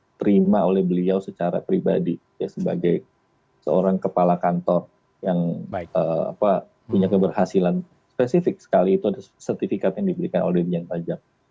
yang diterima oleh beliau secara pribadi sebagai seorang kepala kantor yang punya keberhasilan spesifik sekali itu ada sertifikat yang diberikan oleh dirjen pajak